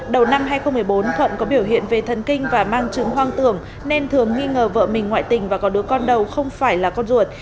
đầu năm hai nghìn một mươi bốn thuận có biểu hiện về thần kinh và mang chứng hoang tưởng nên thường nghi ngờ vợ mình ngoại tình và có đứa con đầu không phải là con ruột